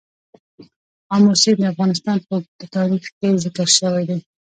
آمو سیند د افغانستان په اوږده تاریخ کې ذکر شوی دی.